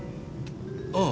ああ。